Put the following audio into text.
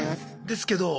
ですけど。